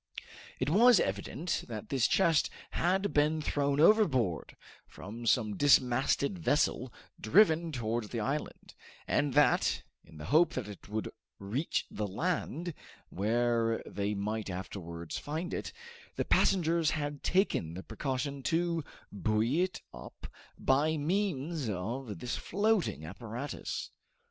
It was evident that this chest had been thrown overboard from some dismasted vessel driven towards the island, and that, in the hope that it would reach the land, where they might afterwards find it, the passengers had taken the precaution to buoy it up by means of this floating apparatus.